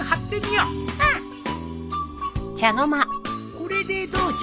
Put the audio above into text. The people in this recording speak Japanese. これでどうじゃ？